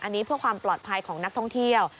อันนี้เพื่อความปลอดภัยของนักท่องเที่ยว